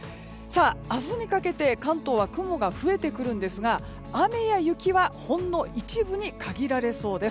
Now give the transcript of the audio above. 明日にかけて関東は雲が増えてくるんですが雨や雪はほんの一部に限られそうです。